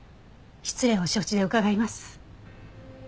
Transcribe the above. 失礼を承知で伺います。